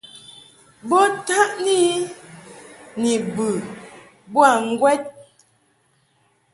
Bo taʼni I ni bə boa ŋgwɛd.